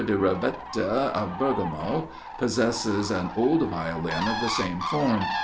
de Rovetta of Bergamo, possesses an old Violin of the same form.